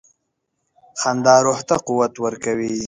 • خندا روح ته قوت ورکوي.